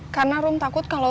karena rom takut kalo